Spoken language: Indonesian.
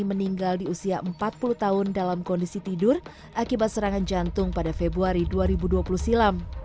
meninggal di usia empat puluh tahun dalam kondisi tidur akibat serangan jantung pada februari dua ribu dua puluh silam